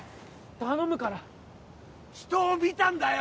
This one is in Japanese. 頼むから人を見たんだよ